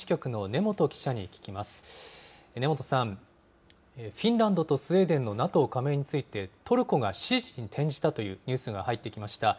根本さん、フィンランドとスウェーデンのＮＡＴＯ加盟について、トルコが支持に転じたというニュースが入ってきました。